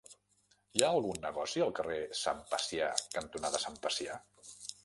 Hi ha algun negoci al carrer Sant Pacià cantonada Sant Pacià?